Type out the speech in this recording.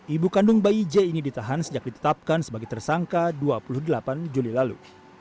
ibu kandung bayi j ini ditahan sejak ditetapkan sebagai tersangka dua puluh delapan juli lalu